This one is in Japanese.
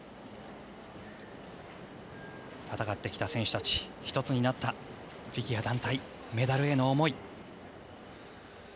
戦ってきた選手たち一つになったフィギュア団体メダルへの思い。